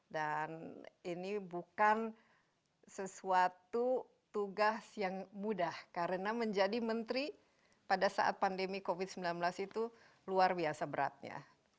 dan ini bukan sesuatu tugas yang mudah karena menjadi menteri pada saat pandemi covid sembilan belas itu luar biasa beratnya